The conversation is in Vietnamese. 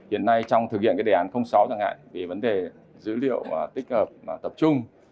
hiện nay trong thực hiện đề án sáu chẳng hạn về vấn đề dữ liệu tích hợp tập trung